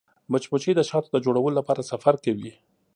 مچمچۍ د شاتو د جوړولو لپاره سفر کوي